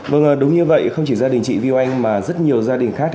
vâng đúng như vậy không chỉ gia đình chị vi anh mà rất nhiều gia đình khác